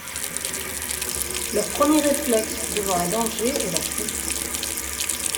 Leur premier réflexe devant un danger est la fuite.